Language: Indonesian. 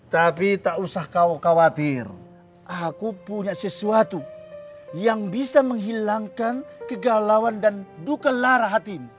tapi tak usah kau khawatir aku punya sesuatu yang bisa menghilangkan kegalauan dan duka lara hatimu